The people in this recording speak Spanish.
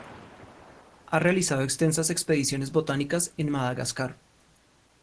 Ha realizado extensas expediciones botánicas en Madagascar.